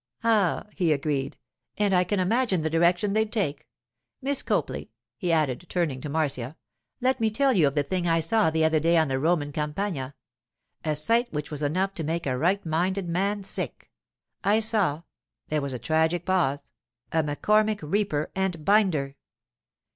'Ah,' he agreed, 'and I can imagine the direction they'd take! Miss Copley,' he added, turning to Marcia, 'let me tell you of the thing I saw the other day on the Roman Campagna: a sight which was enough to make a right minded man sick. I saw—' there was a tragic pause—a McCormick reaper and binder!